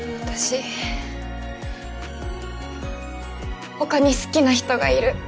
私ほかに好きな人がいる。